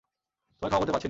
তোমায় ক্ষমা করতে পারছি না।